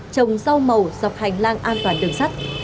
trồng rau màu dọc hành lang an toàn đường sắt